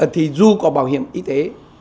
thì dù có bảo hiểm y tế